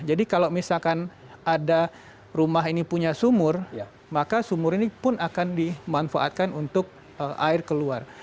jadi kalau misalkan ada rumah ini punya sumur maka sumur ini pun akan dimanfaatkan untuk air keluar